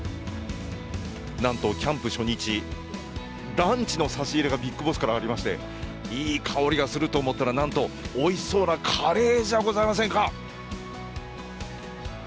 なんとキャンプ初日、ランチの差し入れがビッグボスからありましていい香りがすると思ったら、なんとおいしそうなカレーじゃございませんか！